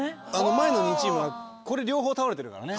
前の２チームはこれ両方倒れてるからね。